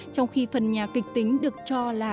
trong khi phần nhà kịch tính được cho là